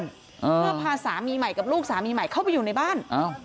เพื่อพาสามีใหม่กับลูกสามีใหม่เข้าไปอยู่ในบ้านอ้าว